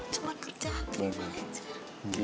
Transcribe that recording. cuma kerjaan gitu aja